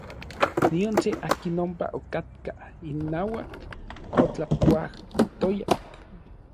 Nion se akin ompa okatkaj inauak otlakuajtoyaj.